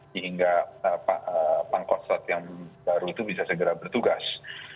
sehingga pangkostrat yang baru itu bisa segera bertugas